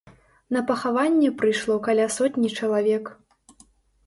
На пахаванне прыйшло каля сотні чалавек.